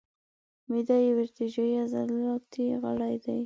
معده یو ارتجاعي عضلاتي غړی دی.